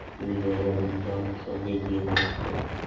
তিনি বারবারা ডানকানকে বিয়ে করেছিলেন।